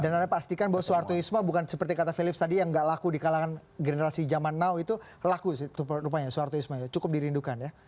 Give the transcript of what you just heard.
dan anda pastikan bahwa suartoisme bukan seperti kata felix tadi yang tidak laku di kalangan generasi zaman now itu laku rupanya suartoisme ya cukup dirindukan ya